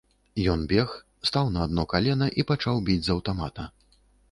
Ён бег, стаў на адно калена і пачаў біць з аўтамата.